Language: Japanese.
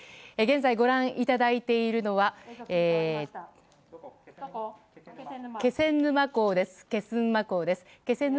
現在、ご覧いただいているのは気仙沼港です。